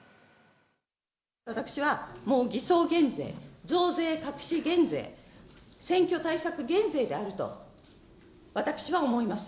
私はもう偽装減税、増税隠し減税、選挙対策減税であると、私は思います。